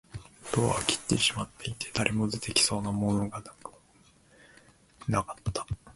ドアはきっちりと閉まっていて、誰も出てきそうもなかった